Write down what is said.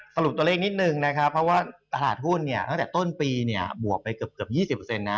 สรุปตัวเลขนิดนึงนะครับเพราะว่าตลาดหุ้นเนี่ยตั้งแต่ต้นปีเนี่ยบวกไปเกือบ๒๐นะ